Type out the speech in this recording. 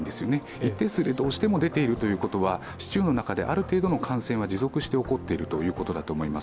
一定数でどうしても出ているということは市中である程度の感染は持続して起こっているということだと思います。